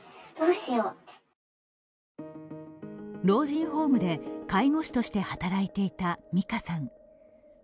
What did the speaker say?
老人ホームで介護士として働いていたミカさん。